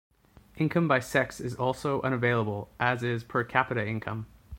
Income by sex is also unavailable, as is per capita income.